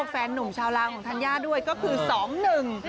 แฟนนุ่มชาวลาวของธัญญาด้วยก็คือสองหนึ่ง